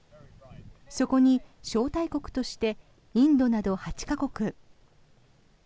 そこに招待国としてインドなど８か国。